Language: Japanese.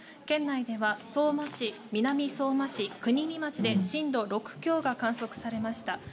県内では相馬市、南相馬市、国見町で震度６強が観測されました。